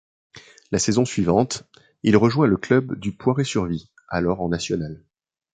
La saison suivante, il rejoint le club du Poiré-sur-Vie alors en National.